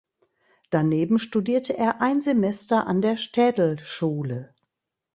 Daneben studierte er ein Semester an der Städelschule.